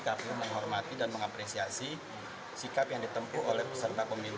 kpu menghormati dan mengapresiasi sikap yang ditempuh oleh peserta pemilu